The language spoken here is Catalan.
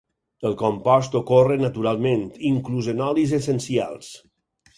El compost ocorre naturalment, inclús en olis essencials.